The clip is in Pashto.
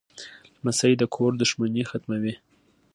لمسی د کور دښمنۍ ختموي.